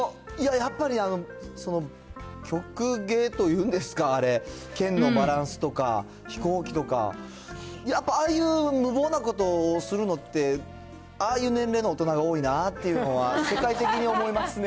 やっぱり、曲芸というんですか、剣のバランスとか、飛行機とか、やっぱりああいう無謀なことをするのって、ああいう年齢の大人が多いなっていうのは、世界的に思いますね。